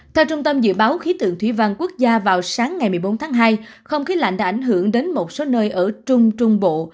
theo trung tâm dự báo khí tượng thủy văn quốc gia vào sáng ngày một mươi bốn tháng hai không khí lạnh đã ảnh hưởng đến một số nơi ở trung trung bộ